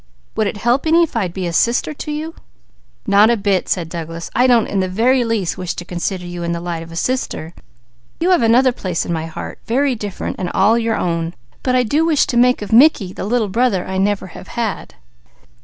"Would it help any if I'd be a sister to you?" "Not a bit," said Douglas. "I don't in the very least wish to consider you in the light of a sister; you have another place in my heart, very different, yet all your own; but I do wish to make of Mickey the little brother I never have had.